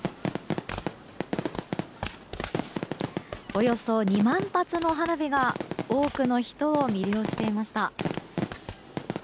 およそ２万発の花火が多くの人を魅了していました。